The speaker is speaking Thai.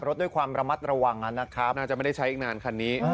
รถด้วยความระมัดระวังนะครับน่าจะไม่ได้ใช้อีกนานคันนี้